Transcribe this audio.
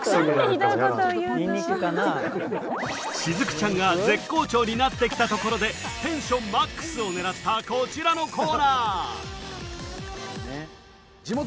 雫ちゃんが絶好調になってきたところで、テンションマックスを狙ったこちらのコーナー。